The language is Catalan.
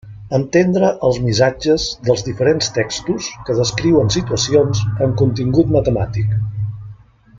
Entendre els missatges dels diferents textos que descriuen situacions amb contingut matemàtic.